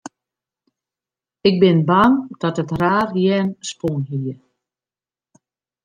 Ik bin bang dat it raar jern spûn hie.